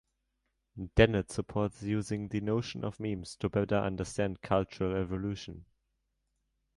Dennett supports using the notion of memes to better understand cultural evolution.